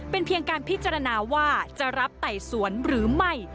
เป็นเพียงการพิจารณาว่าจะรับไต่สวนหรือไม่